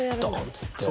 っつって。